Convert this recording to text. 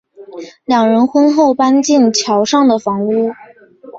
两人婚后搬进桥上的房屋。